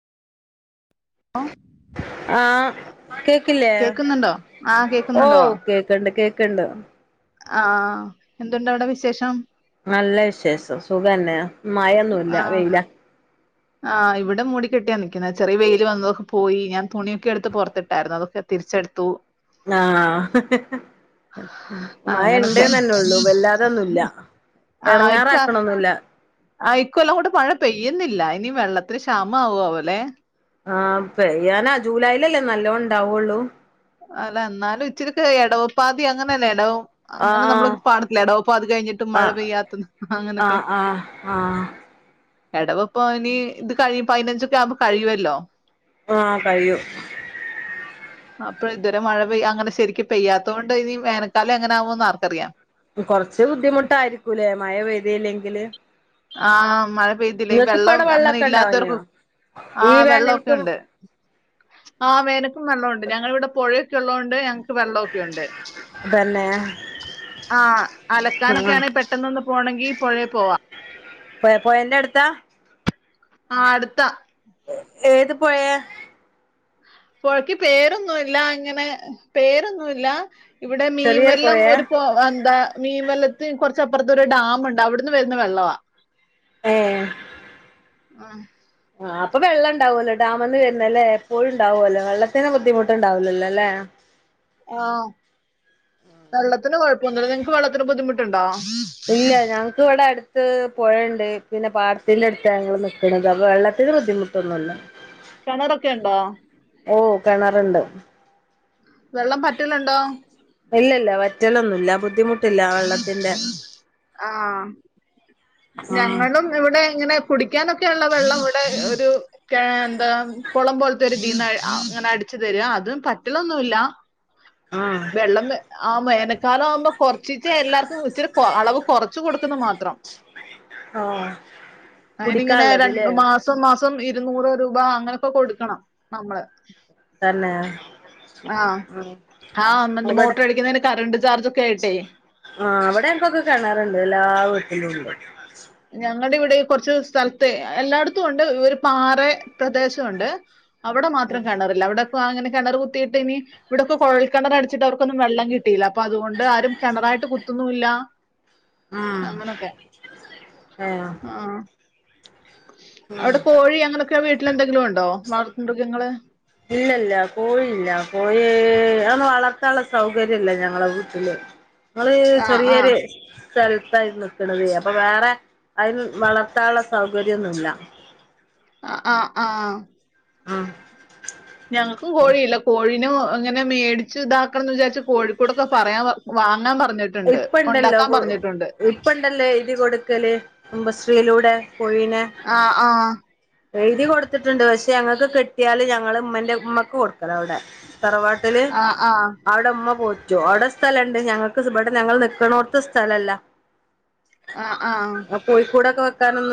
ആ ആഹ് കേക്കില്ലേ ആഹ് കേക്കുന്നുണ്ടോ ഓഹ് കേക്ക്‌ണ്ട് കേക്ക്‌ണ്ട് ആഹ് എന്തുണ്ട അവിടെ വിശേഷം? നല്ല വിശേഷം സുഖന്നെ മഴൊന്നുല്ല ആഹ് വെയില ആഹ് ഇവിടെ മൂടി കെട്ടിയാ നിക്കുന്നെ ചെറിയെവെയില് വന്നതൊക്കെ പോയി ഞാൻ തുണിയക്കെടുത്ത് പൊറത്തിട്ടായിരുന്നു അതൊക്കെ തിരിച്ചെടുത്തു ആഹ് ആ, മഴ അങ്ങനൊക്കെ ഇണ്ട്ന്നെന്നുള്ളു വല്ലാതൊന്നുല്ല എടങ്ങാറാക്കണൊന്നുല്ല ആ ഇക്കൊല്ല കൂടെ മഴ പെയ്യുന്നില്ല ഇനി വെള്ളത്തിൽ ക്ഷാമമാവവോലെ ആഹ് പെയ്യാനാ ജൂലൈലല്ലേ നല്ലോം ഇണ്ടാവൊള്ളൂ അല്ല ഇന്നാലും ഇച്ചിരിത്തെ ഇടവപ്പാതി അങ്ങനെയല്ലേ ഇടവോം അങ്ങനെ നമ്മളൊ ആഹ് പാടില്ലേ എടവപ്പാത്തി കഴിഞ്ഞിട്ട് മഴ ആഹ് പെയ്യാത്തത് അങ്ങനൊക്കെ ആഹ് ആഹ് ആഹ് എടവപ്പോ ഇനി ഇത് കഴിയും പതിനഞ്ചൊക്കെ ആവുമ്പോ കഴിയുവല്ലോ ആ കഴിയും അപ്പ ഇതുവരെ മഴ പെയ്യ അങ്ങനെ ശരിക്കും പെയ്യാത്തോണ്ട് ഇനി വേനക്കാലം എങ്ങനൊവുമോന്ന് ആർക്കറിയാം കൊറച്ച് ബുദ്ധിമുട്ടായിരിക്കൂലെ മഴ പെയ്തീയില്ലെങ്കില് ആഹ് മഴ പെയ്തില്ലെ വെള്ളം അവിടെ അങ്ങനെ വെള്ളൊക്കെ ഇല്ലാത്തവർക്ക് ഇണ്ടാവനോ ഈ ആഹ് വെള്ളൊക്കെ വേനൽക്കും ഉണ്ട് ആഹ് വേനക്കും വെള്ളോണ്ട് ഞങ്ങളിവിടെ പൊഴൊക്കെ ഉള്ളൊണ്ട് ഞ ക്ക്‌ വെള്ളൊക്കെ ഉണ്ട് തന്നെ ആഹ് ആഹ് അലക്കാനൊക്കെയാണ പെ ട്ടന്നൊന്ന് പോണെങ്കി പൊഴെ പോവാ പെ പോയന്റടുത്താ ആ അടുത്ത ഏത് പൊയ പൊഴക്ക് പേരൊന്നൂല്ല അങ്ങനെ പേരൊന്നൂല്ലാ ഇവിടെ ചെറിയൊരു മീൻവെല്ലം പൊഴയാ ഒരു പൊ എന്താ മീൻവെല്ലത്ത് കൊറച്ചപ്പുറത്തൊരു ഡാമുണ്ട് അവിടുന്ന് വരുന്ന വെള്ളവാ ഏ ആഹ് ആഹ് അപ്പൊ വെള്ളംണ്ടാവുല്ലേ ഡാമന്ന് വരുന്നല്ലേ എപ്പോഴും ഉണ്ടാവുമല്ലോ വെള്ളത്തിന് ബുദ്ധിമുട്ട് ഉണ്ടാവൂലല്ലല്ലേ ആഹ് വെള്ളത്തിന് കൊഴപ്പൊന്നൂല്ല നിങ്ങക്ക് വെള്ളത്തിന് ബുദ്ധിമുട്ടുണ്ടോ ഇല്ല ഞങ്ങക് ക്കിവിടെ അടുത്ത് പൊഴയൊണ്ട് പിന്നെ പാടത്തിൻ്റെ അടുത്താ ഞങ്ങൾ നിക്കണത് അപ്പോൾ വെള്ളത്തിന് ബുദ്ധിമുട്ടൊന്നുമില്ല കെണറൊക്കെ ഉണ്ടോ ഓ കെണറുണ്ട് വെള്ളം പറ്റലുണ്ടോ ഇല്ലല്ല വറ്റലൊന്നുല്ല ബുദ്ധിമു ട്ടില്ല വെള്ളത്തിന്റെ ആഹ് ആഹ് ഞങ്ങളും ഇവിടെ ഇങ്ങനെ കുടിക്കാനൊക്കെള്ള വെള്ളം ഇവിടെ ഒരു കെ എന്താ കുളം പോലത്തെ ഒരിതീന്ന് ഇങ്ങനെ അടിച്ചു തര്വ അതും പറ്റലൊന്നൂല്ല ആഹ് വെള്ളം ആഹ് വേനക്കാലാവുമ്പോ കൊറച്ചിച്ചെ എല്ലാർക്കും ഇച്ചിരി അളവ് കൊറച്ച് കൊടുക്കുന്ന് മാത്രം ആ അയിനിങ്ങനെ രണ്ടു കുടിക്കാനുള്ളതില്ലേ മാസ സം മാസം ഇരുന്നൂറ് രൂപ അങ്ങനൊക്കെ കൊടുക്കണം നമ്മള് തന്നെ ഉം ആഹ് മോട്ടറടിക്കുന്നതിന് കറണ്ട് ചാർജ് ഒക്കെ ആയിട്ടെ ആഹ് ഇവിടെ എനക്കൊക്കെ കെണറുണ്ട് എല്ലാ വീട്ടിലുംണ്ട് ഞങ്ങടെ ഇവിടെ ഈ കുറച്ച് സ്ഥലത്തെ എല്ലായിടത്തും ഒണ്ട് ഒരു പാറ പ്രദേശവൊണ്ട് അവിടെ മാത്രം കെണറില്ല അവിടെക്കെ അങ്ങനെ കിണറ് കുത്തിട്ട് എനി ഇവിടൊക്കെ കുഴൽ കിണർ അടിച്ചിട്ട് അവർക്കൊന്നും വെള്ളം കി ട്ടീല അപ്പൊ അതുകൊണ്ട് ആരും കിണറായിട്ട് കുത്തുന്നൂല്ല ആഹ് ആഹ് അവിടെ കോഴി അങ്ങനൊക് ക്കെ വീട്ടിലെന്തെങ്കിലും ഒണ്ടോ വളർത്തു മൃഗങ്ങള് ഇല്ലല്ല കോഴില്ല കോഴി അതൊന്നും വളർത്താനുള്ള സൗകര്യല്ല ഞങ്ങളെ വീട്ടില് ങ്ങള് ആ ആ ചെറിയൊര് സ്ഥലത്താ ഈ നിക്കണത് അപ്പൊ വേറെ അതിൽ വളർത്താനുള്ള സൗകര്യോന്നുല്ല ആഹ് ആഹ് ആഹ് ആഹ് ഞങ്ങക്കും കോഴിയില്ല കോഴീനെ ഇങ്ങനെ മേടിച്ച് ഇതാക്കണംന്ന് വിചാരിച്ച് കോഴി ക്കൂടൊക്കെ പറയാൻ വാങ്ങാൻ പറഞ്ഞിട്ടുണ്ട് ഒണ്ടാക്കാൻ പറഞ്ഞിട്ടുണ്ട് ഇപ്പണ്ടല്ലേ ഇത് കൊടുക്കല് കുടുംബശ്രീയിലൂടെ കോഴീനെ ആഹ് ആഹ് എഴുതി കൊടുത്തിട്ട്ണ്ട് പക്ഷെ ഞങ്ങക്ക് കിട്ടിയാല് ഞങ്ങള് ഉമ്മാന്റെ ഉമ്മാക്ക് കൊടുക്കണം അവിടെ തറവാട്ടില് ആ ആ ആവിടുമ്മ പോ റ്റു അവടെ സ്ഥലണ്ട് ഞങ്ങൾക്ക് ഇബിടെ ഞങ്ങൾ നിക്കണോട്ത്ത് സ്ഥലല്ല ആഹ് ആഹ് ആ കോഴിക്കൂടൊക്കെ വെക്കാനൊന്ന്